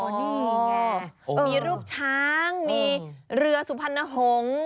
นี่ไงมีรูปช้างมีเรือสุพรรณหงษ์